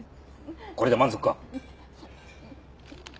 これで満足か！